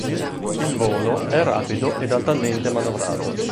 Il volo è rapido ed altamente manovrato.